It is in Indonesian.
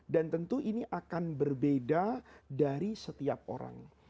dan tentu ini akan berbeda dari setiap orang